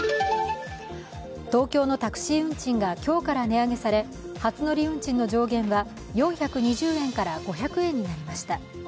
東京のタクシー運賃が今日から値上げされ、初乗り運賃の上限は４２０円から５００円になりました。